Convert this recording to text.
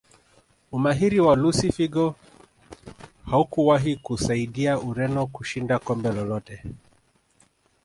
Umahiri wa Lusi figo haukuwahi kuisaidia Ureno kushinda kombe lolote